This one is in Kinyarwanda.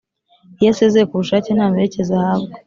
iyo asezeye ku bushake nta mperekeza ahabwa